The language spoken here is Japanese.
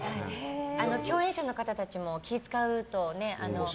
共演者の方たちも気を使うとね。